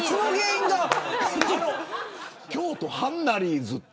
京都ハンナリーズって。